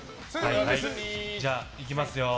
じゃあ、いきますよ。